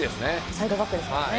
サイドバックですもんね。